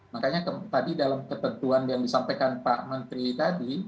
makanya tadi dalam ketentuan yang disampaikan pak menteri tadi